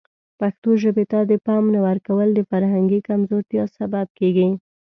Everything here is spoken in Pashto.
پښتو ژبې ته د پام نه ورکول د فرهنګي کمزورتیا سبب کیږي.